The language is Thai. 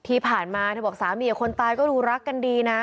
ที่ผ่านมาสามีคนตายก็รู้รักกันดีนะ